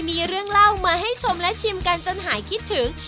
มีเรื่องเล่ามาให้ชมและชิมกันจนหายคิดถึง